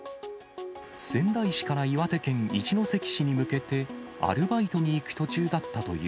仙台市から岩手県一関市に向けて、アルバイトに行く途中だったとい